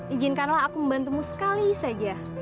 ijinkanlah aku membantumu sekali saja